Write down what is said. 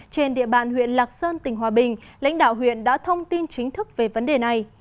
trên địa bàn huyện lạc sơn tỉnh hòa bình lãnh đạo huyện đã thông tin chính thức về vấn đề này